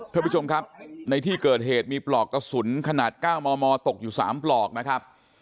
ท่านผู้ชมครับในที่เกิดเหตุมีปลอกกระสุนขนาด๙มมตกอยู่๓ปลอกนะครับ